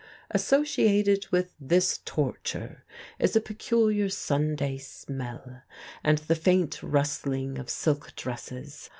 Associated with this torture is a peculiar Sunday smell and the faint rustling of silk dresses.